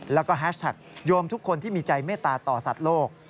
แล้วก็แฮชแท็กโยมทุกคนที่มีใจเมตตาต่อสัตว์โลก